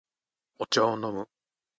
お茶を飲む